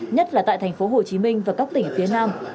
nhất là tại thành phố hồ chí minh và các tỉnh phía nam